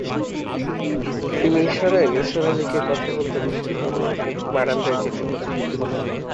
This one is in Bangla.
তিনি ইশারায় নিসার আলিকে কথা বলতে নিষেধ করলেন, বারান্দায় যেতে বললেন।